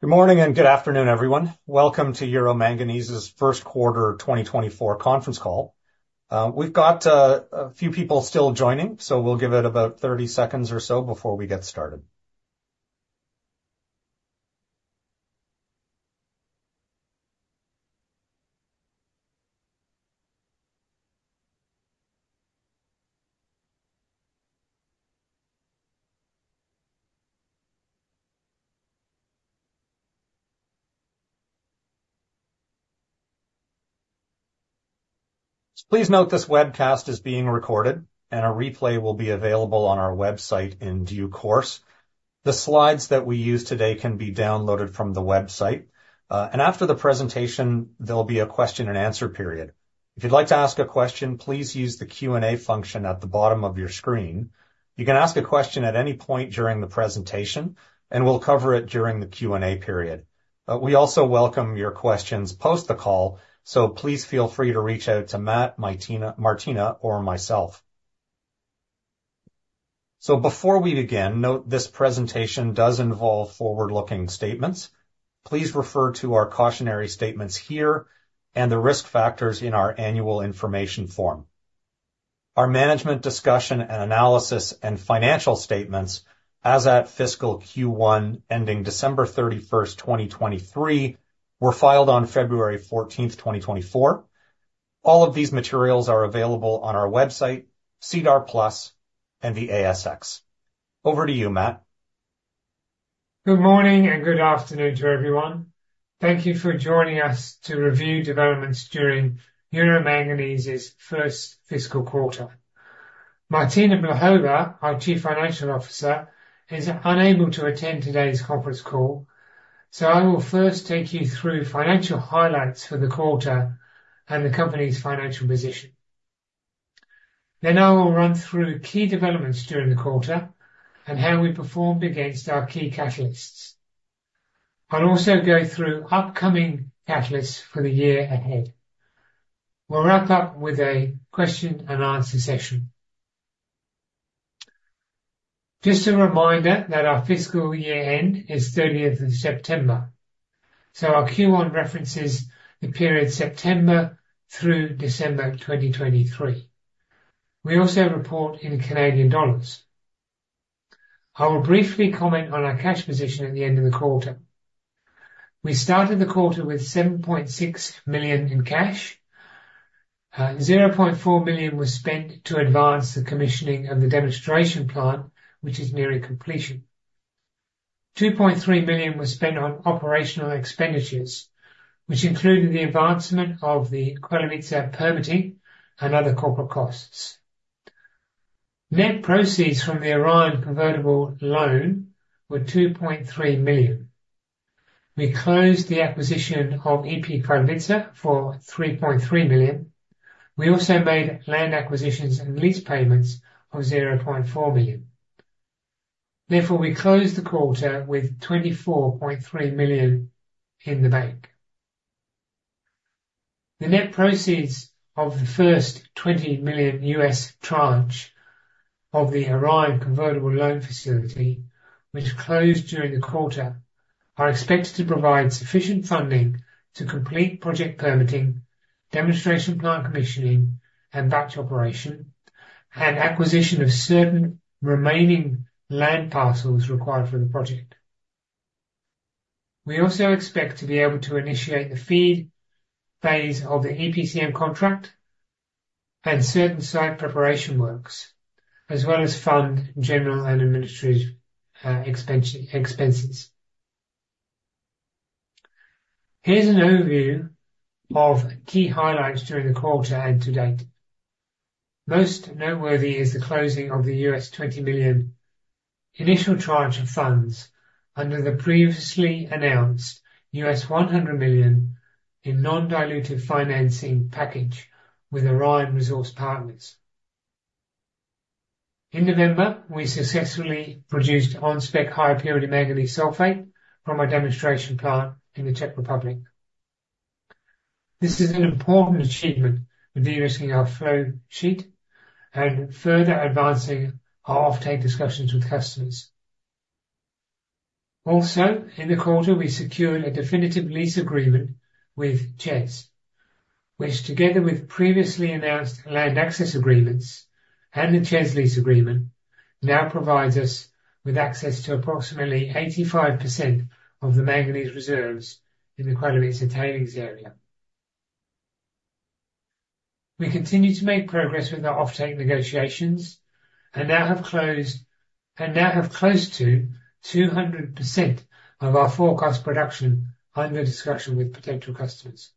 Good morning, and good afternoon, everyone. Welcome to Euro Manganese's first quarter 2024 conference call. We've got a few people still joining, so we'll give it about 30 seconds or so before we get started. Please note this webcast is being recorded, and a replay will be available on our website in due course. The slides that we use today can be downloaded from the website, and after the presentation, there'll be a question and answer period. If you'd like to ask a question, please use the Q&A function at the bottom of your screen. You can ask a question at any point during the presentation, and we'll cover it during the Q&A period. We also welcome your questions post the call, so please feel free to reach out to Matt, Martina, Martina, or myself. Before we begin, note this presentation does involve forward-looking statements. Please refer to our cautionary statements here and the risk factors in our annual information form. Our management discussion and analysis and financial statements as at fiscal Q1, ending December 31, 2023, were filed on February 14, 2024. All of these materials are available on our website, SEDAR+, and the ASX. Over to you, Matt. Good morning, and good afternoon to everyone. Thank you for joining us to review developments during Euro Manganese's first fiscal quarter. Martina Blahova, our Chief Financial Officer, is unable to attend today's conference call, so I will first take you through financial highlights for the quarter and the company's financial position. Then I will run through key developments during the quarter and how we performed against our key catalysts. I'll also go through upcoming catalysts for the year ahead. We'll wrap up with a question and answer session. Just a reminder that our fiscal year end is thirtieth of September, so our Q1 references the period September through December 2023. We also report in Canadian dollars. I will briefly comment on our cash position at the end of the quarter. We started the quarter with 7.6 million in cash. 0.4 million was spent to advance the commissioning of the demonstration plant, which is nearing completion. 2.3 million was spent on operational expenditures, which included the advancement of the Chvaletice permitting and other corporate costs. Net proceeds from the Orion convertible loan were 2.3 million. We closed the acquisition of EP Chvaletice for 3.3 million. We also made land acquisitions and lease payments of 0.4 million. Therefore, we closed the quarter with 24.3 million in the bank. The net proceeds of the first $20 million US tranche of the Orion convertible loan facility, which closed during the quarter, are expected to provide sufficient funding to complete project permitting, demonstration plant commissioning, and batch operation, and acquisition of certain remaining land parcels required for the project. We also expect to be able to initiate the FEED phase of the EPCM contract and certain site preparation works, as well as fund general and administrative expenses. Here's an overview of key highlights during the quarter and to date. Most noteworthy is the closing of the $20 million initial tranche of funds under the previously announced $100 million in non-dilutive financing package with Orion Resource Partners. In November, we successfully produced on-spec, high-purity manganese sulfate from our demonstration plant in the Czech Republic. This is an important achievement in de-risking our flow sheet and further advancing our offtake discussions with customers. Also, in the quarter, we secured a definitive lease agreement with CEZ, which, together with previously announced land access agreements and the CEZ lease agreement, now provides us with access to approximately 85% of the manganese reserves in the Kralovice tailings area. We continue to make progress with our offtake negotiations and now have close to 200% of our forecast production under discussion with potential customers.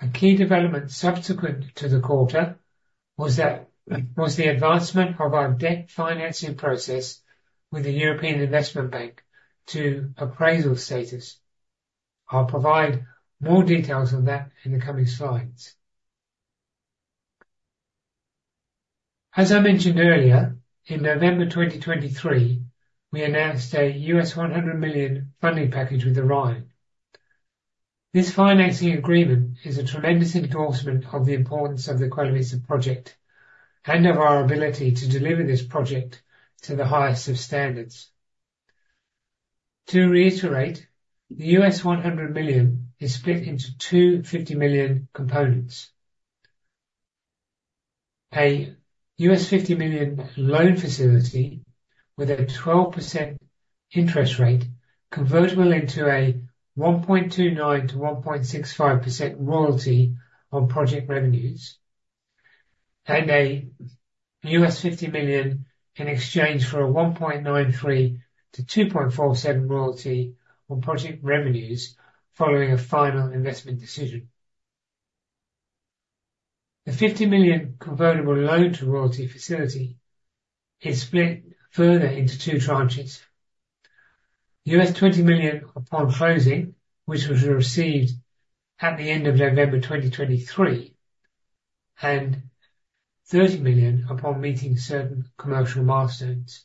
A key development subsequent to the quarter was the advancement of our debt financing process with the European Investment Bank to appraisal status. I'll provide more details on that in the coming slides. As I mentioned earlier, in November 2023, we announced a $100 million funding package with Orion. This financing agreement is a tremendous endorsement of the importance of the Chvaletice Project and of our ability to deliver this project to the highest of standards. To reiterate, the $100 million is split into two $50 million components: a $50 million loan facility with a 12% interest rate, convertible into a 1.29%-1.65% royalty on project revenues, and a $50 million in exchange for a 1.93%-2.47% royalty on project revenues following a final investment decision. The $50 million convertible loan to royalty facility is split further into two tranches. $20 million upon closing, which was received at the end of November 2023, and $30 million upon meeting certain commercial milestones.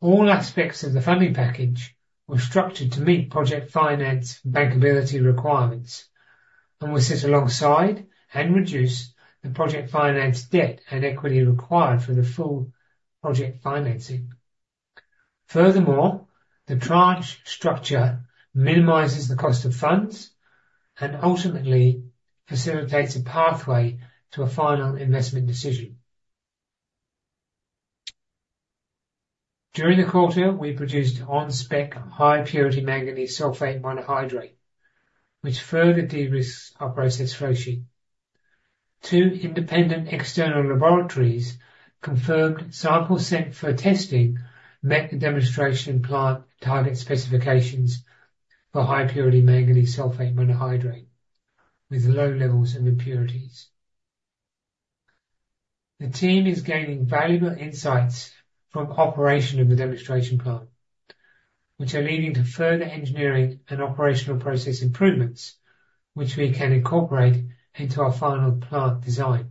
All aspects of the funding package were structured to meet project finance bankability requirements and will sit alongside and reduce the project finance, debt, and equity required for the full project financing. Furthermore, the tranche structure minimizes the cost of funds and ultimately facilitates a pathway to a final investment decision. During the quarter, we produced on-spec, high-purity manganese sulfate monohydrate, which further de-risks our process flow sheet. Two independent external laboratories confirmed samples sent for testing met the demonstration plant target specifications for high-purity manganese sulfate monohydrate with low levels of impurities. The team is gaining valuable insights from operation of the demonstration plant, which are leading to further engineering and operational process improvements, which we can incorporate into our final plant design.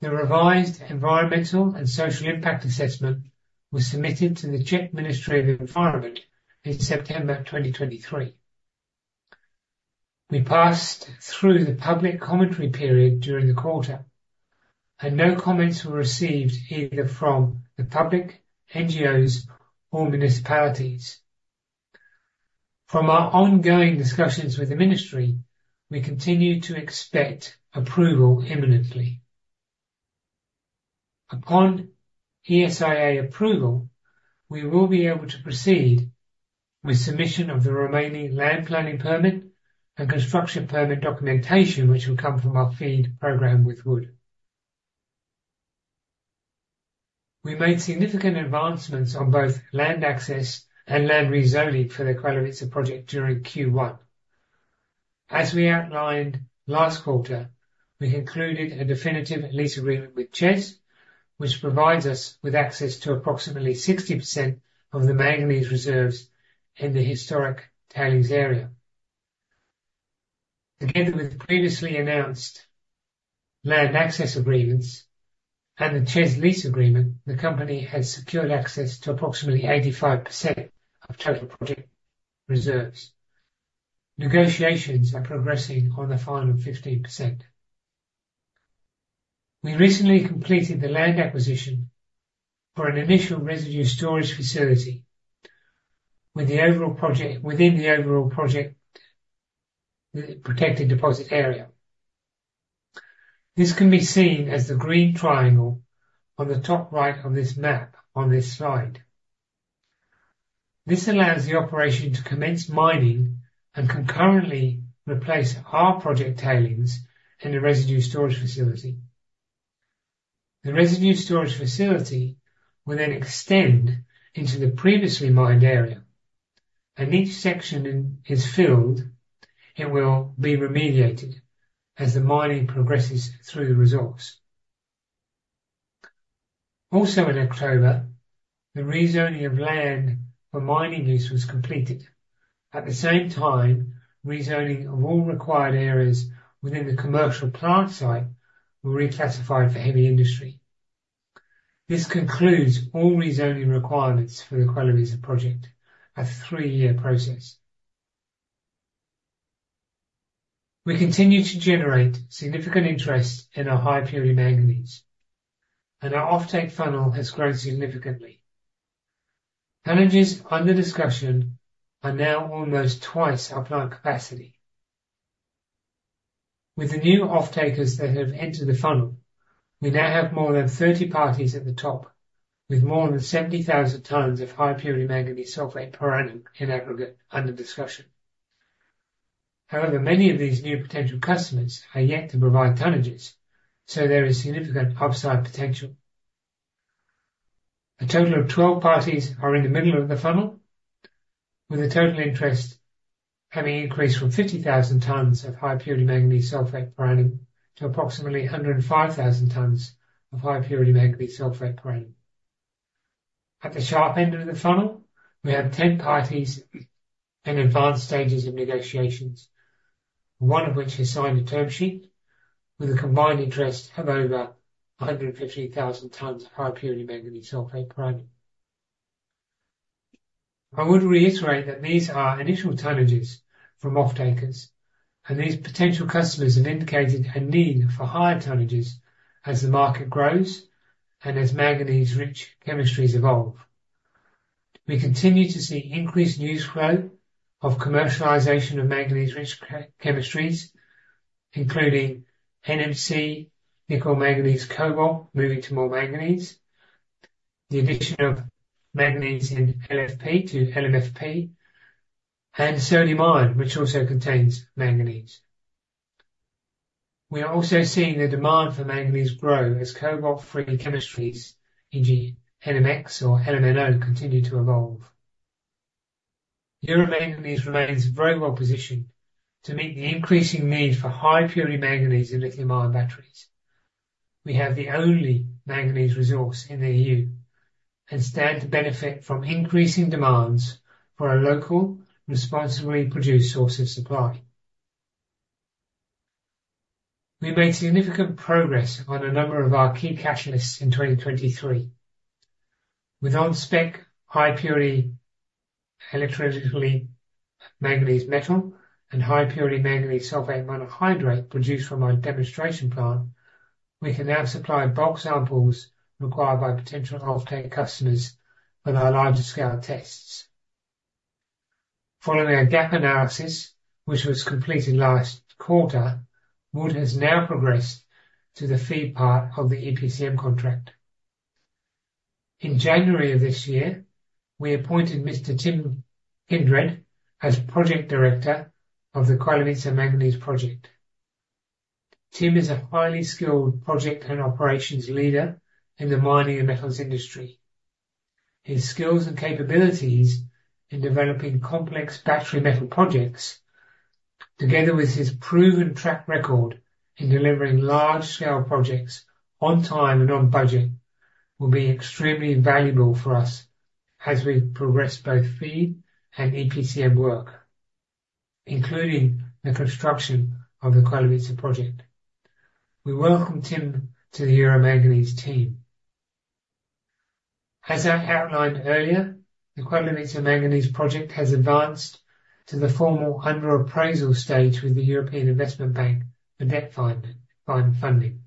The revised environmental and social impact assessment was submitted to the Czech Ministry of Environment in September 2023. We passed through the public commentary period during the quarter, and no comments were received either from the public, NGOs or municipalities. From our ongoing discussions with the ministry, we continue to expect approval imminently. Upon ESIA approval, we will be able to proceed with submission of the remaining land planning permit and construction permit documentation, which will come from our FEED program with Wood. We made significant advancements on both land access and land rezoning for the Chvaletice Project during Q1. As we outlined last quarter, we concluded a definitive lease agreement with CEZ, which provides us with access to approximately 60% of the manganese reserves in the historic tailings area. Together with the previously announced land access agreements and the CEZ lease agreement, the company has secured access to approximately 85% of total project reserves. Negotiations are progressing on the final 15%. We recently completed the land acquisition for an initial residue storage facility within the overall project, the protected deposit area. This can be seen as the green triangle on the top right of this map on this slide. This allows the operation to commence mining and concurrently replace our project tailings in the residue storage facility. The residue storage facility will then extend into the previously mined area, and each section is filled, it will be remediated as the mining progresses through the resource. Also, in October, the rezoning of land for mining lease was completed. At the same time, rezoning of all required areas within the commercial plant site were reclassified for heavy industry. This concludes all rezoning requirements for the Chvaletice Project, a three-year process. We continue to generate significant interest in our high-purity manganese, and our offtake funnel has grown significantly. Tonnages under discussion are now almost twice our plant capacity. With the new offtakers that have entered the funnel, we now have more than 30 parties at the top, with more than 70,000 tons of high-purity manganese sulfate per annum in aggregate under discussion. However, many of these new potential customers are yet to provide tonnages, so there is significant upside potential. A total of 12 parties are in the middle of the funnel, with a total interest having increased from 50,000 tons of high-purity manganese sulfate per annum to approximately 105,000 tons of high-purity manganese sulfate per annum. At the sharp end of the funnel, we have 10 parties in advanced stages of negotiations, one of which has signed a term sheet.... with a combined interest of over 150,000 tons of high-purity manganese sulfate per annum. I would reiterate that these are initial tonnages from off-takers, and these potential customers have indicated a need for higher tonnages as the market grows and as manganese-rich chemistries evolve. We continue to see increased news flow of commercialization of manganese-rich chemistries, including NMC, nickel, manganese, cobalt, moving to more manganese, the addition of manganese in LFP to LMFP, and sodium ion, which also contains manganese. We are also seeing the demand for manganese grow as cobalt-free chemistries, e.g., NMX or LMNO, continue to evolve. Euro Manganese remains very well positioned to meet the increasing need for high-purity manganese and lithium-ion batteries. We have the only manganese resource in the EU and stand to benefit from increasing demands for a local, responsibly produced source of supply. We made significant progress on a number of our key catalysts in 2023. With on-spec, high-purity electrolytic manganese metal and high-purity manganese sulfate monohydrate produced from our demonstration plant, we can now supply bulk samples required by potential off-take customers with our larger scale tests. Following our gap analysis, which was completed last quarter, Wood has now progressed to the FEED part of the EPCM contract. In January of this year, we appointed Mr. Tim Kindred as Project Director of the Chvaletice Manganese Project. Tim is a highly skilled project and operations leader in the mining and metals industry. His skills and capabilities in developing complex battery metal projects, together with his proven track record in delivering large-scale projects on time and on budget, will be extremely valuable for us as we progress both FEED and EPCM work, including the construction of the Chvaletice project. We welcome Tim to the Euro Manganese team. As I outlined earlier, the Chvaletice Manganese Project has advanced to the formal appraisal stage with the European Investment Bank for debt financing.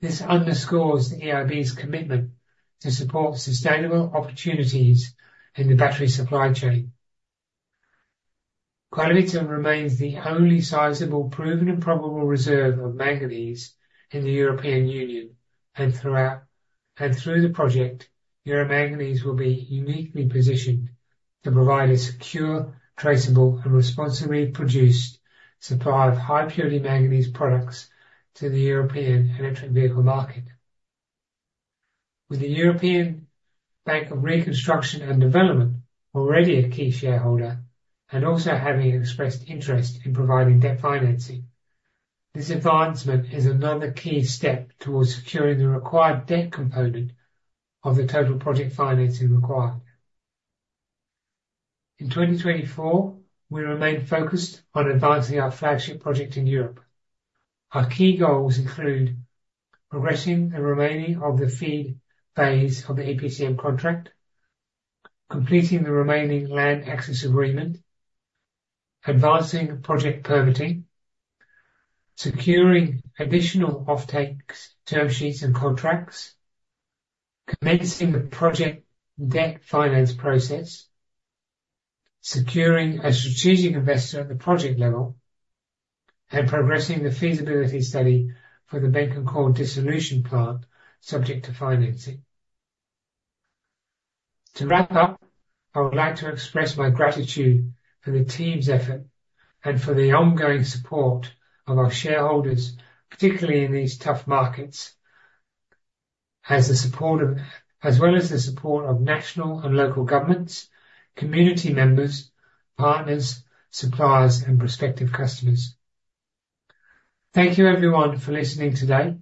This underscores the EIB's commitment to support sustainable opportunities in the battery supply chain. Chvaletice remains the only sizable, proven, and probable reserve of manganese in the European Union and throughout and through the project, Euro Manganese will be uniquely positioned to provide a secure, traceable, and responsibly produced supply of high-purity manganese products to the European electric vehicle market. With the European Bank for Reconstruction and Development already a key shareholder and also having expressed interest in providing debt financing, this advancement is another key step towards securing the required debt component of the total project financing required. In 2024, we remain focused on advancing our flagship project in Europe. Our key goals include progressing the remaining of the FEED phase of the EPCM contract, completing the remaining land access agreement, advancing project permitting, securing additional off-takes, term sheets, and contracts, commencing the project debt finance process, securing a strategic investor at the project level, and progressing the feasibility study for the Bécancour dissolution plant, subject to financing. To wrap up, I would like to express my gratitude for the team's effort and for the ongoing support of our shareholders, particularly in these tough markets, as well as the support of national and local governments, community members, partners, suppliers, and prospective customers. Thank you, everyone, for listening today.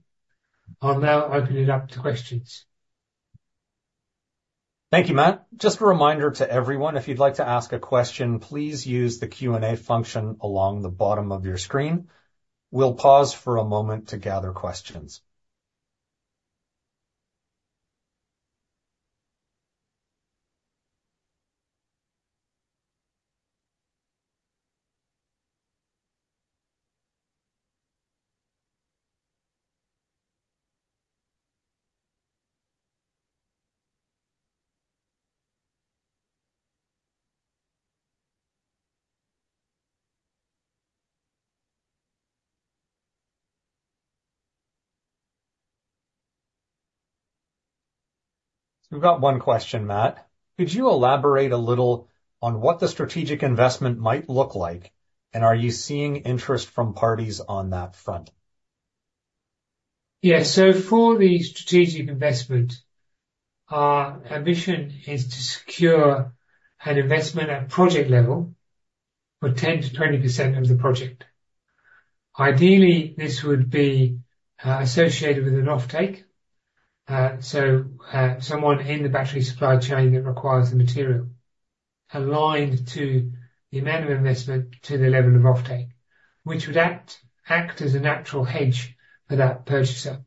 I'll now open it up to questions. Thank you, Matt. Just a reminder to everyone, if you'd like to ask a question, please use the Q&A function along the bottom of your screen. We'll pause for a moment to gather questions. We've got one question, Matt: Could you elaborate a little on what the strategic investment might look like, and are you seeing interest from parties on that front? Yeah. So for the strategic investment, our ambition is to secure an investment at project level for 10%-20% of the project. Ideally, this would be associated with an offtake, so someone in the battery supply chain that requires the material aligned to the amount of investment to the level of offtake, which would act as a natural hedge for that purchaser.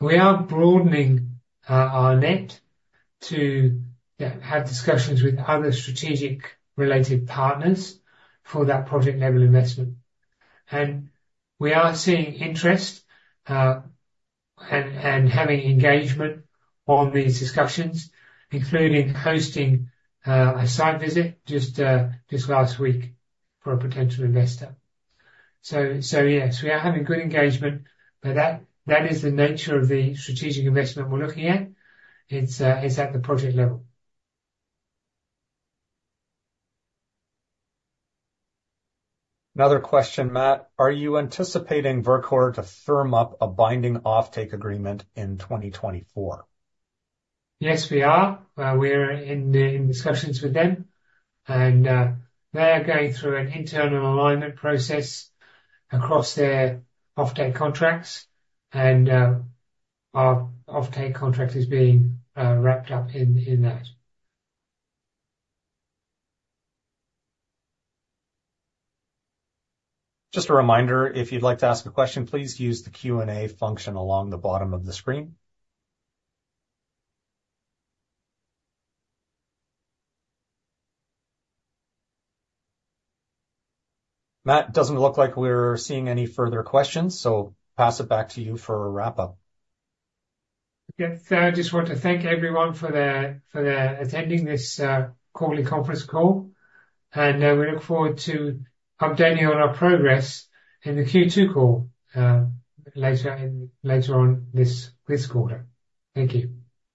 We are broadening our net to, yeah, have discussions with other strategic related partners for that project level investment. And we are seeing interest and having engagement on these discussions, including hosting a site visit just last week for a potential investor. So, so yes, we are having good engagement, but that is the nature of the strategic investment we're looking at. It's at the project level. Another question, Matt: Are you anticipating Verkor to firm up a binding offtake agreement in 2024? Yes, we are. We're in discussions with them, and they are going through an internal alignment process across their offtake contracts, and our offtake contract is being wrapped up in that. Just a reminder, if you'd like to ask a question, please use the Q&A function along the bottom of the screen. Matt, doesn't look like we're seeing any further questions, so pass it back to you for a wrap-up. Yeah. So I just want to thank everyone for their attending this quarterly conference call, and we look forward to updating you on our progress in the Q2 call later on this quarter. Thank you.